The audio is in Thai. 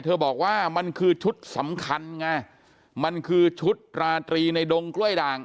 บอกว่ามันคือชุดสำคัญไงมันคือชุดราตรีในดงกล้วยด่าง